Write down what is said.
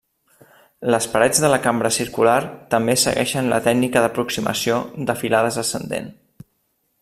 Les parets de la cambra circular també segueixen la tècnica d'aproximació de filades ascendent.